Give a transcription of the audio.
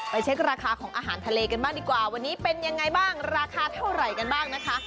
เช็คราคาของอาหารทะเลกันบ้างดีกว่าวันนี้เป็นยังไงบ้างราคาเท่าไหร่กันบ้างนะคะ